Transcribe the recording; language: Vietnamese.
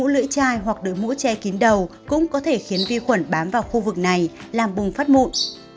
đội mũ lưỡi chai hoặc đội mũ che kín đầu cũng có thể khiến vi khuẩn bám vào khu vực này làm bùng phát mụn